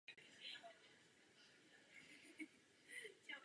Viděli jsme, že tak úzká perspektiva není funkční.